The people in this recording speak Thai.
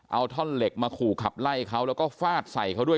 เอาท่อนเหล็กมาขู่ขับไล่เขาแล้วก็ฟาดใส่เขาด้วย